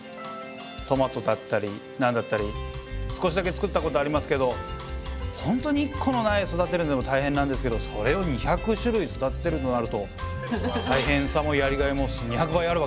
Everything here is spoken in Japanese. トマトだったりなんだったり少しだけ作ったことありますけどほんとに１個のなえ育てるのでも大変なんですけどそれを２００種類育ててるとなると大変さもやりがいも２００倍あるわけですもんね。